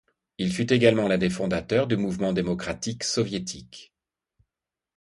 Il fut également l’un des fondateurs du mouvement démocratique soviétique.